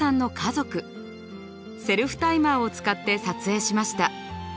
セルフタイマーを使って撮影しました。